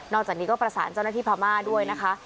จากนี้ก็ประสานเจ้าหน้าที่พม่าด้วยนะคะ